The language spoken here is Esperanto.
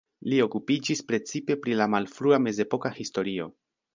Li okupiĝis precipe pri la malfrua mezepoka historio.